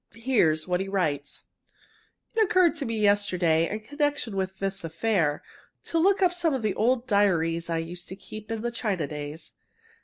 Here's what he writes: "It occurred to me yesterday, in connection with this affair, to look up some of the old diaries I used to keep in the China days.